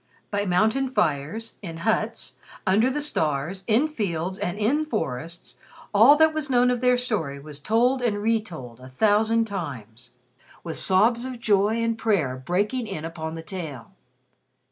By mountain fires, in huts, under the stars, in fields and in forests, all that was known of their story was told and retold a thousand times, with sobs of joy and prayer breaking in upon the tale.